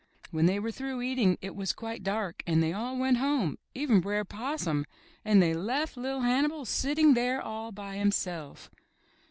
When they were through eating it was quite dark, and they all went home, even Br'er Possum, and they left LiT Hannibal sitting there all by himself.